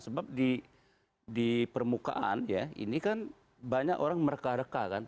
sebab di permukaan ya ini kan banyak orang mereka reka kan